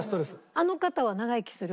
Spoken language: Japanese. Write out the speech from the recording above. あの方は長生きする。